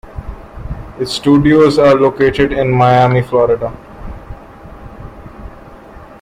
Its studios are located in Miami, Florida.